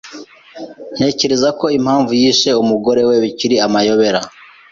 Ntekereza ko impamvu yishe umugore we bikiri amayobera.